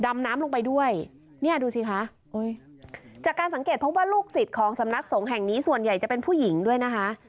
ดำน้ำลงไปด้วยเนี่ยดูสิคะจากการสังเกตพบว่าลูกศิษย์ของสำนักสงฆ์แห่งนี้ส่วนใหญ่จะเป็นผู้หญิงด้วยนะคะ